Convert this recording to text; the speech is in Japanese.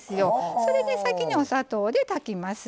それで、先にお砂糖で炊きます。